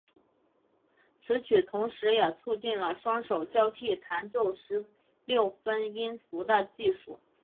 此曲同时也促进了双手交替弹奏十六分音符的技术。